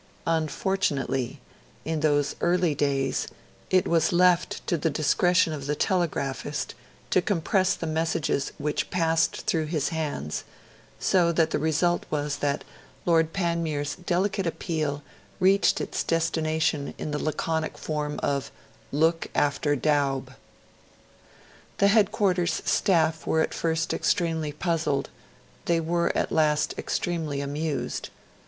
Unfortunately, in those early days, it was left to the discretion of the telegraphist to compress the messages which passed through his hands; so that the result was that Lord Panmure's delicate appeal reached its destination in the laconic form of 'Look after Dowb'. The Headquarters Staff were at first extremely puzzled; they were at last extremely amused.